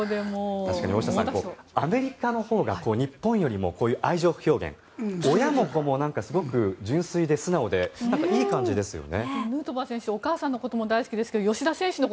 アメリカのほうが日本よりも愛情表現親も子もすごく純粋で素直でいい感じですよね。